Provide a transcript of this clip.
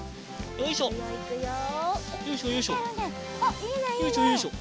よいしょよいしょ。